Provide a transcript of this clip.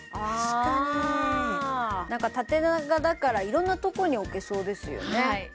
確かになんか縦長だからいろんなとこに置けそうですよね